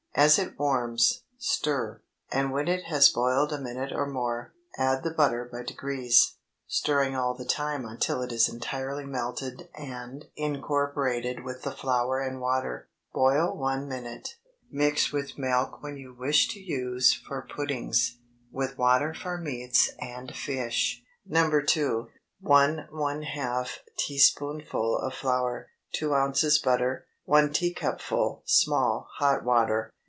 As it warms, stir, and when it has boiled a minute or more, add the butter by degrees, stirring all the time until it is entirely melted and incorporated with the flour and water. Boil one minute. Mix with milk when you wish to use for puddings, with water for meats and fish. NO. 2. 1½ teaspoonful of flour. 2 ounces butter. 1 teacupful (small) hot water.